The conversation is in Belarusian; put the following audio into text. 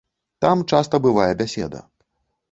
Там часта бывае бяседа.